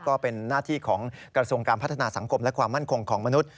ก็เป็นหน้าที่ของกระทรวงการพัฒนาสังคมและความมั่นคงของมนุษย